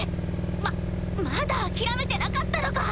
ままだ諦めてなかったのか。